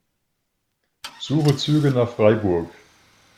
Suche Züge nach Freiburg.